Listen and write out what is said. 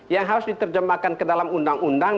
yang harus diterjemahkan ke dalam undang undang